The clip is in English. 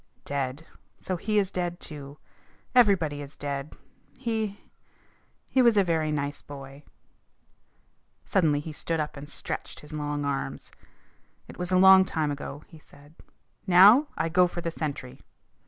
"Dead! So he is dead too! Everybody is dead. He he was a very nice boy." Suddenly he stood up and stretched his long arms. "It was a long time ago," he said. "Now I go for the sentry."